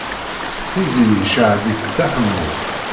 Tiziri yecɣeb-itt Dda Ḥemmu.